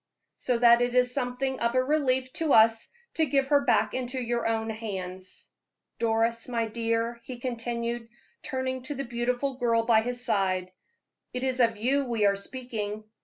So that it is something of a relief to us to give her back into your own hands. Doris, my dear," he continued, turning to the beautiful girl by his side, "it is of you we are speaking.